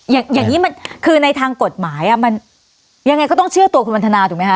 อย่างนี้มันคือในทางกฎหมายอ่ะมันยังไงก็ต้องเชื่อตัวคุณวันทนาถูกไหมคะ